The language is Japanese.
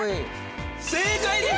正解です。